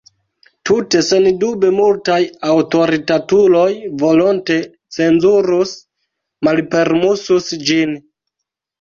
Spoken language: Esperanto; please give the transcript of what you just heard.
Tute sendube multaj aŭtoritatuloj volonte cenzurus, malpermesus ĝin.